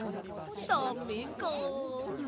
ダメかあ。